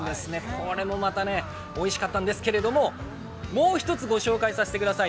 これもまたおいしかったんですけれどももう１つご紹介させてください。